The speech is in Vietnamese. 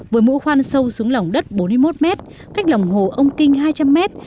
với mũ khoan sâu xuống lòng đất bốn mươi một mét cách lòng hồ ông kinh hai trăm linh mét